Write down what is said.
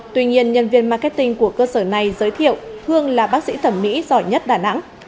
tuy nhiên nhân viên marketing của cơ sở này giới thiệu hương là bác sĩ thẩm mỹ giỏi nhất đà nẵng